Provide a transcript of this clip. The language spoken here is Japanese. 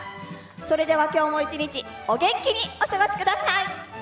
それでは、きょうも１日お元気にお過ごしください！